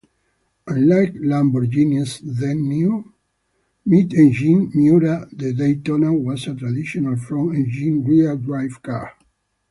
Unlike Lamborghini's then-new, mid-engined Miura, the Daytona was a traditional front-engined, rear-drive car.